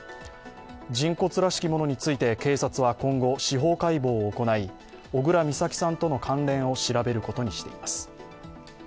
人骨らしきものについて警察は今後、司法解剖を行い小倉美咲さんとの関連を調べることにしています。